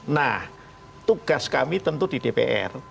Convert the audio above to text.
nah tugas kami tentu di dpr